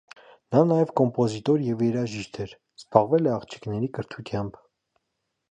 Նա նաև կոմպոզիտոր և երաժիշտ էր, զբաղվել է աղջիկների կրթությամբ։